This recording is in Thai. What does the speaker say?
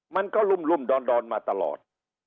มันก็รุ่มดอนมาตลอด